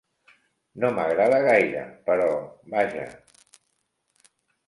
No m'agrada gaire, però vaja...